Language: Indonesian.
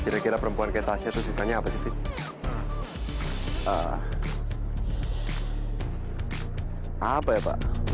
kira kira perempuan kayak tasya tuh sukanya apa sih fit